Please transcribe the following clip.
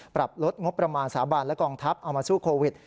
ปรับลดงบประมาณสาบานและกองทัพเอามาสู้โควิด